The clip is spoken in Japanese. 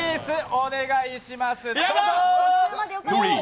お願いします。